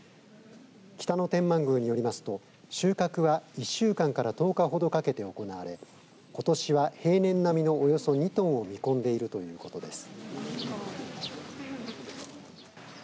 北野天満宮によりますと収穫は１週間から１０日ほどかけて行われことしは平年並みのおよそ２トンを見込んでいるということです。